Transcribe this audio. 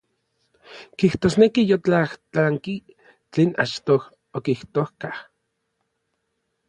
Kijtosneki yotlajtlanki tlen achtoj okijtojka.